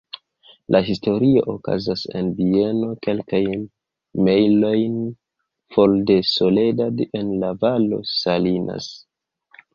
La historio okazas en bieno kelkajn mejlojn for de Soledad en la Valo Salinas.